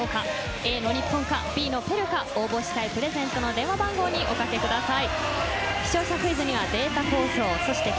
Ａの日本かＢのペルーか応募したい電話番号におかけください。